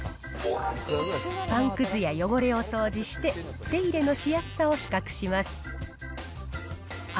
パンくずや汚れを掃除して、手入れのしやすさを比較します。